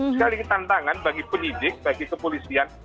sekali tantangan bagi penyidik bagi kepolisian